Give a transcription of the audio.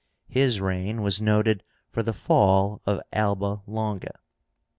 His reign was noted for the fall of Alba Longa.